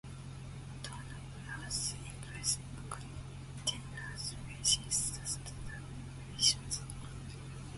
Turnover has increased continuously since the start of operations.